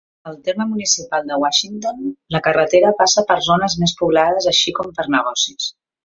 Al terme municipal de Washington, la carretera passa per zones més poblades així com per negocis.